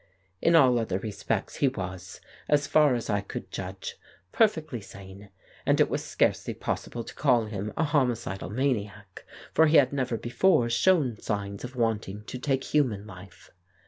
In all other respects he was, as far as I could judge, perfectly sane, and it was scarcely possible to call him a homicidal maniac, for he had never before shown signs of wanting to take human life.